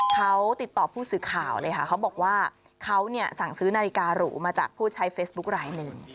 เขาติดต่อผู้สื่อข่าวเลยค่ะเขาบอกว่าเขาเนี่ยสั่งซื้อนาฬิการูมาจากผู้ใช้เฟซบุ๊คลายหนึ่ง